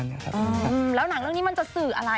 แล้วหนังเรื่องนี้มันจะสื่ออะไร